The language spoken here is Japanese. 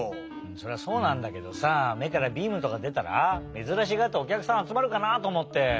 それはそうなんだけどさめからビームとかでたらめずらしがっておきゃくさんあつまるかなとおもって。